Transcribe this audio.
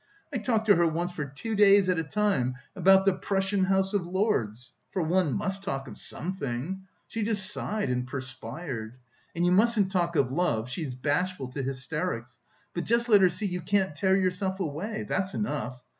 I talked to her once for two days at a time about the Prussian House of Lords (for one must talk of something) she just sighed and perspired! And you mustn't talk of love she's bashful to hysterics but just let her see you can't tear yourself away that's enough.